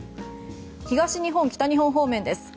東日本、北日本方面です。